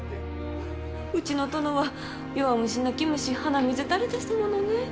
うちの殿は弱虫泣き虫鼻水垂れですものね。